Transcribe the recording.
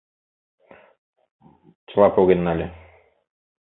Чыла поген нале.